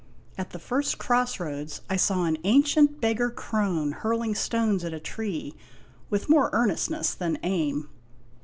At the first cross roads I saw an ancient beggar crone hurling stones at a tree with more earnest ness than aim.